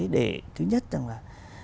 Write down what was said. để thứ nhất rằng là